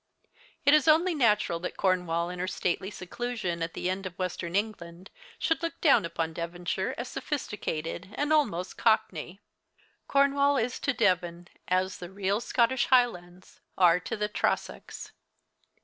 It is only natural that Cornwall, in her stately seclusion at the end of Western England, should look down upon Devonshire as sophisticated and almost cockney. Cornwall is to Devon as the real Scottish Highlands are to the Trosachs.